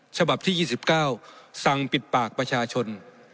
ฉบับที่๒๙สั่งปิดปากประชาชน